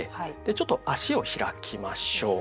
ちょっと足を開きましょう。